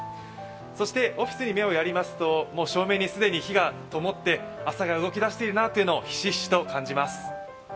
そしてオフィスに目をやりますと、もう照明に火がともって朝が動き出しているなというのをひしひしと感じます。